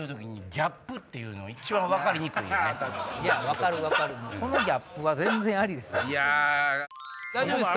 いや分かる分かるそのギャップは全然ありです。